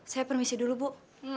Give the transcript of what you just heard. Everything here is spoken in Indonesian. saya permisi dulu bu